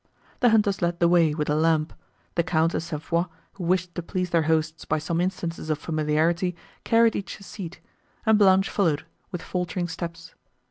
The hunters led the way, with a lamp; the Count and St. Foix, who wished to please their hosts by some instances of familiarity, carried each a seat, and Blanche followed, with faltering steps.